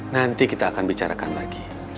nanti kita akan bicarakan lagi